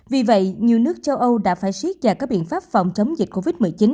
vì vậy nhiều nước châu âu đã phải siết chặt các biện pháp phòng chống dịch covid một mươi chín